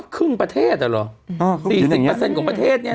ครึ่งประเทศอ่ะเหรอ๔๐ของประเทศเนี่ย